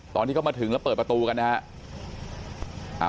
ตอนที่เขามาถึงแล้วเปิดประตูกันนะครับ